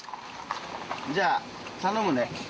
じゃあ、頼むね。